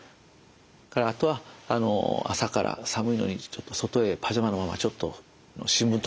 それからあとは朝から寒いのに外へパジャマのままちょっと新聞取りに行ったとか。